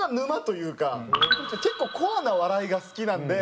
結構コアな笑いが好きなんで。